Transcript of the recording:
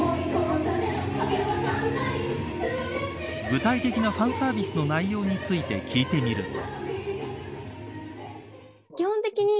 具体的なファンサービスの内容について聞いてみると。